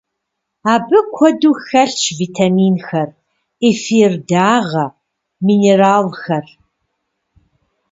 Абы куэду хэлъщ витаминхэр, эфир дагъэ, минералхэр.